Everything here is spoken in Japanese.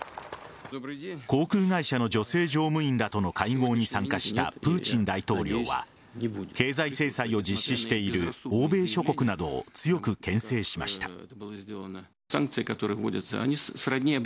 航空会社の女性乗務員らとの会合に参加したプーチン大統領は経済制裁を実施している欧米諸国などを強くけん制しました。